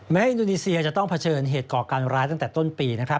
ให้อินโดนีเซียจะต้องเผชิญเหตุก่อการร้ายตั้งแต่ต้นปี